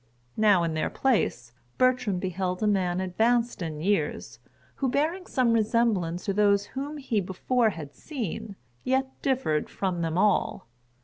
Now, in their place, Bertram beheld a man advanced in years, who,[Pg 27] bearing some resemblance to those whom he before had seen, yet differed from them all.